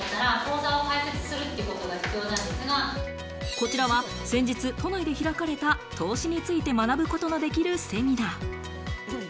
こちらは先日、都内で開かれた投資について学ぶことのできるセミナー。